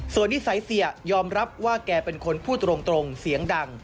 ส่วนนิสัยเสียยอมรับว่าแกเป็นคนพูดตรงเสียงดัง